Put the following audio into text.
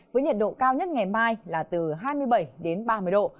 với nhiệt độ cao nhất ngày mai là từ hai mươi bảy đến ba mươi độ